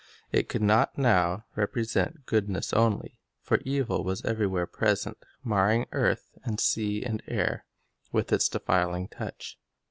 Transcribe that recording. It could not now represent goodness only ; for evil was everywhere present, marring earth and sea and air with its defiling touch.